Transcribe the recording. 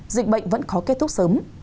dịch bệnh vẫn khó kết thúc sớm